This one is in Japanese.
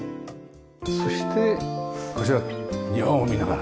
そしてこちら庭を見ながらね。